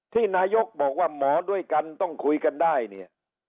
ที่นายกบอกว่าหมอด้วยกันต้องคุยกันได้เนี่ย